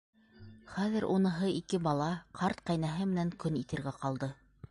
Хәҙер уныһы ике бала, ҡарт ҡәйнәһе менән көн итергә ҡалды.